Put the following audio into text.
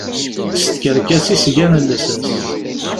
S tkerkas i s-gan llsas.